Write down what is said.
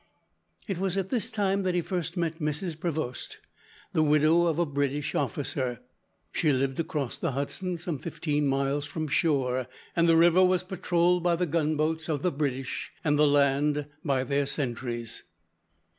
It was at this time that he first met Mrs. Prevost, the widow of a British officer. She lived across the Hudson, some fifteen miles from shore, and the river was patrolled by the gunboats of the British, and the land by their sentries.